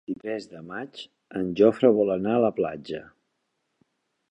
El vint-i-tres de maig en Jofre vol anar a la platja.